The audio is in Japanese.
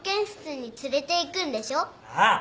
ああ。